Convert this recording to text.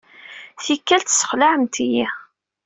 Tikkal, tessexlaɛemt-iyi.